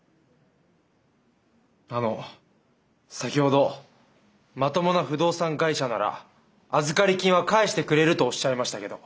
あの先ほどまともな不動産会社なら預かり金は返してくれるとおっしゃいましたけど。